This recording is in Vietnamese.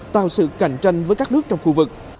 tạo sự cạnh tranh với các nước trong khu vực